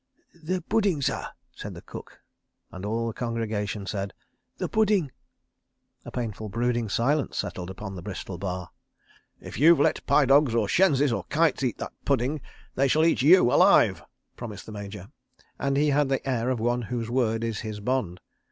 "The Pudding, sah," said the cook, and all the congregation said, "The Pudding." A painful brooding silence settled upon the Bristol Bar. "If you've let pi dogs or shenzis or kites eat that pudding, they shall eat you—alive," promised the Major—and he had the air of one whose word is his bond.